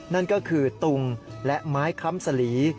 นั่นก็คือตุงและไม้ค้ำสลี